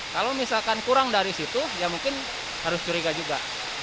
kalau misalkan kurang dari situ ya mungkin harus curiga juga